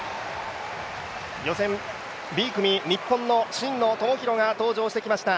予選Ｂ組日本の真野友博が登場してきました。